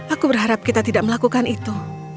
aku berharap kita tidak melakukan itu